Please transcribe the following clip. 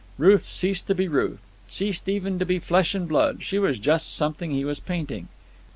Ruth ceased to be Ruth, ceased even to be flesh and blood. She was just something he was painting.